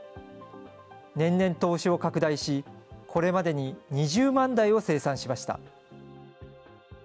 年々投資を拡大し、これまでに２０万台を生産しました。